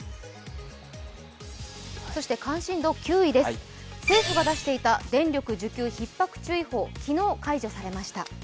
そして関心度９位です、政府が出していた電力需給ひっ迫注意報、昨日、解除されました。